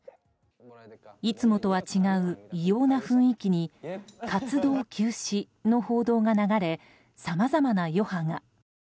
いつもとは違う異様な雰囲気に活動休止の報道が流れさまざまな余波が。